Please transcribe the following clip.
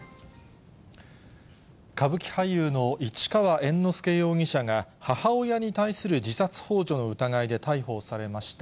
歌舞伎俳優の市川猿之助容疑者が、母親に対する自殺ほう助の疑いで逮捕されました。